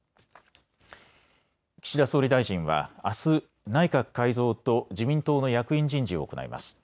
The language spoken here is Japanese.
岸田総理大臣はあす内閣改造と自民党の役員人事を行います。